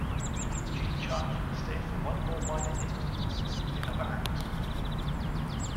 Gene Chandler stayed for one more minor hit but the other acts moved on.